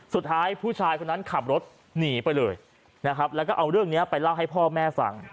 สุดท้ายผู้ชายคนนั้นขับรถหนีไปเลยนะครับแล้วก็เอาเรื่องนี้ไปเล่าให้พ่อแม่ฟัง